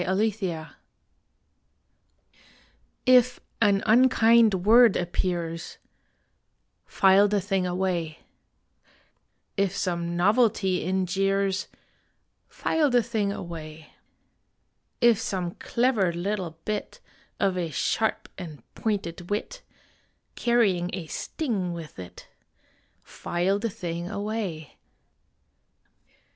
ON FILE IF an unkind word appears, File the thing away. If some novelty in jeers, File the thing away. If some clever little bit Of a sharp and pointed wit, Carrying a sting with it File the thing away.